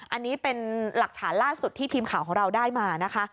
อันนี้เป็นหลักฐานล่าสุดที่ทีมข่าวของเราได้มานะคะ